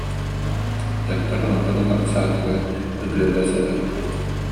Дьахтар онтон ыла саатыгар ытыырга сытар